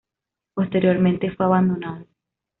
Posteriormente fue abandonado.